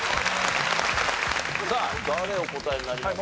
さあ誰がお答えになりますか？